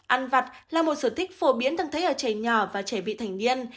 ăn vặt là một sự thích phổ biến thường thấy ở trẻ nhỏ và trẻ vị thành niên